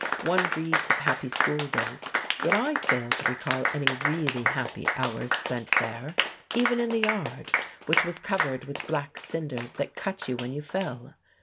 One reads of happy school days, yet I fail to recall any really happy hours spent there, even in the yard, which was covered with black cinders that cut you when you fell.